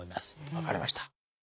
分かりました。